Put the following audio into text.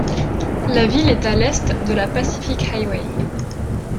La ville est à à l'est de la Pacific Highway.